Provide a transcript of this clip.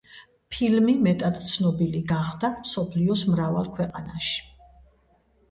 ფილმი მეტად ცნობილი გახდა მსოფლიოს მრავალ ქვეყანაში.